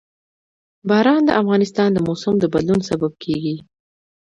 باران د افغانستان د موسم د بدلون سبب کېږي.